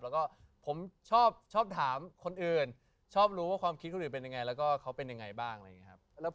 แล้วก็ผมชอบถามคนอื่นชอบรู้ว่าความคิดคนอื่นเป็นยังไงแล้วก็เขาเป็นยังไงบ้างอะไรอย่างนี้ครับ